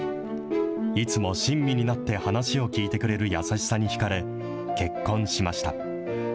いつも親身になって話を聞いてくれる優しさに引かれ、結婚しました。